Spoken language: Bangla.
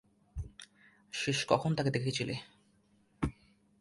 শেষ কখন তাকে দেখেছিলে?